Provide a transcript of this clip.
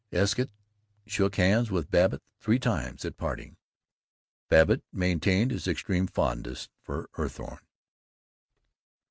Escott shook hands with Babbitt three times, at parting. Babbitt mentioned his extreme fondness for Eathorne.